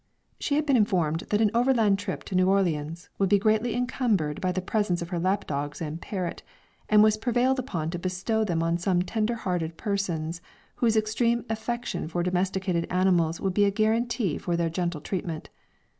She had been informed that an overland trip to New Orleans would be greatly incumbered by the presence of her lap dogs and parrot, and was prevailed on to bestow them on some tender hearted persons, whose extreme affection for domesticated animals would be a guaranty for their gentle treatment.